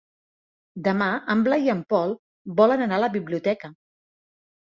Demà en Blai i en Pol volen anar a la biblioteca.